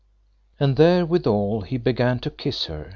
And therewithal he began to kiss her.